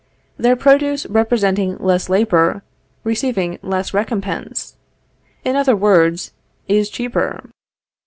Their produce representing less labor, receives less recompense; in other words, is cheaper.